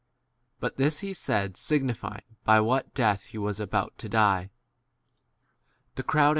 But this he said signifying by what death he was 34 about to die. The crowd answer homage.